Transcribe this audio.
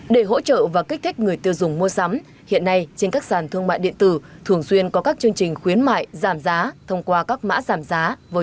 để hỗ trợ và kích thích người tiêu dùng mua sắm hiện nay trên các sàn thương mại điện tử thường xuyên có các chương trình khuyến mại giảm giá thông qua các mã giảm giá